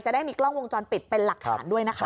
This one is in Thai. ได้มีกล้องวงจรปิดเป็นหลักฐานด้วยนะคะ